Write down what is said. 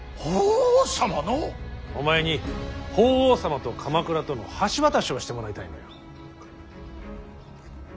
お前に法皇様と鎌倉との橋渡しをしてもらいたいのよ。